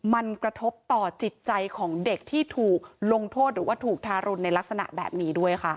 มันกระทบต่อจิตใจของเด็กที่ถูกลงโทษหรือว่าถูกทารุณในลักษณะแบบนี้ด้วยค่ะ